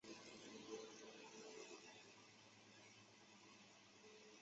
得业士是日本旧制高等学校和专门学校授与卒业生的学位称号。